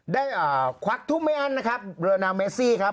ได้ควักทุมแมอร์นะครับเรียอนาลเมซิครับ